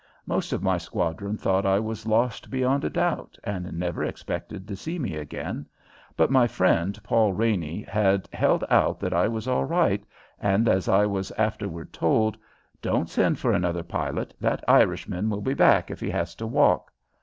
Most of my squadron thought I was lost beyond a doubt and never expected to see me again; but my friend, Paul Raney, had held out that I was all right, and, as I was afterward told, "Don't send for another pilot; that Irishman will be back if he has to walk."